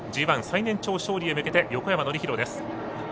ＧＩ最年長勝利へ向けて横山典弘です。